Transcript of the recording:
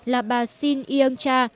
là bà sin yung cha